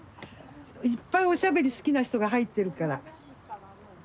いっぱいおしゃべり好きな人が入ってるから。